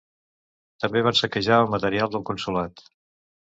També van saquejar el material del consolat.